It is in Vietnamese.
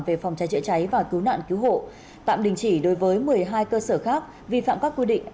về phòng trái trịa trái và cứu nạn cứu hộ tạm đình chỉ đối với một mươi hai cơ sở khác vi phạm các quy định